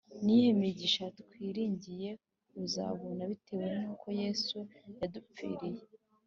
Ni iyihe migisha twiringiye kuzabona bitewe n uko Yesu yadupfiriye